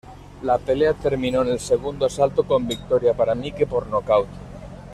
La pelea terminó en el segundo asalto con victoria para Mike por nocaut.